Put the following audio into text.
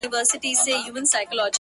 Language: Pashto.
زما په خيال هري انجلۍ ته گوره؛